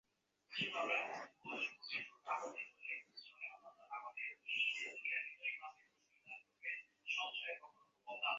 তিনি সংক্ষিপ্তকাল লিওনে অবস্থান করেন ও পরবর্তীতে গ্রানাডায় চলে যান।